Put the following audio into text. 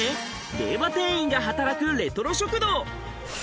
令和店員が働くレトロ食堂！